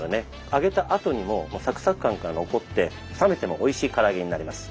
揚げたあとにもサクサク感が残って冷めてもおいしいから揚げになります。